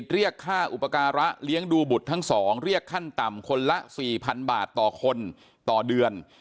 เรียกค่าอุปการะเลี้ยงดูบุตรทั้ง๒เรียกขั้นต่ำคนละ๔๐๐๐บาทต่อคนต่อเดือน